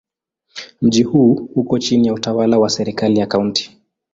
Mji huu uko chini ya utawala wa serikali ya Kaunti.